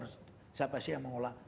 siapa sih yang mengolah